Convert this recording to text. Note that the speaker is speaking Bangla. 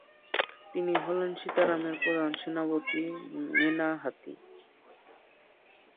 তিনি হলেন সীতারামের প্রধান সেনাপতি মেনাহাতী।